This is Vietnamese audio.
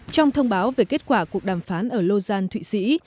trong thông báo về kết quả cuộc đàm phán ở lô gian thụy sĩ